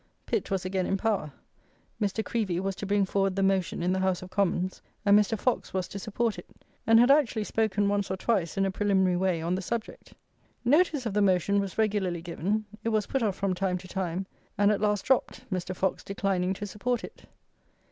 Pitt was again in power. Mr. Creevey was to bring forward the motion in the House of Commons, and Mr. Fox was to support it, and had actually spoken once or twice, in a preliminary way on the subject. Notice of the motion was regularly given; it was put off from time to time, and, at last, dropped, Mr. Fox declining to support it.